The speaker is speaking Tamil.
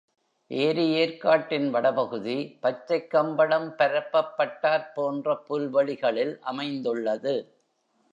ஏரி ஏர்க்காட்டின் வட பகுதி பச்சைக் கம்பளம் பரப்பப்பட்டாற் போன்ற புல் வெளிகளில் அமைந்துள்ளது.